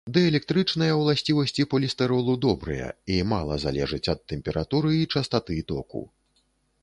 Дыэлектрычныя ўласцівасці полістыролу добрыя і мала залежаць ад тэмпературы і частаты току.